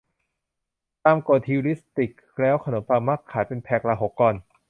ตามกฏฮิวริสติกแล้วขนมปังมักขายเป็นแพคละหกก้อน